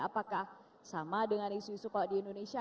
apakah sama dengan isu isu kalau di indonesia